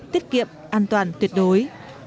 tiết kiệm an toàn tuyệt đối